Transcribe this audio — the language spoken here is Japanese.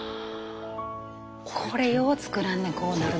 これよう作らんねこうなるの。